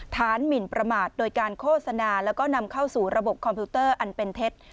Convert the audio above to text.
หมินประมาทโดยการโฆษณาแล้วก็นำเข้าสู่ระบบคอมพิวเตอร์อันเป็นเท็จ